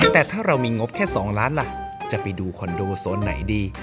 แต่ถ้าเรามีงบแค่๒ล้านล่ะจะไปดูคอนโดโซนไหนดี